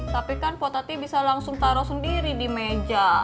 tapi kan potati bisa langsung taruh sendiri di meja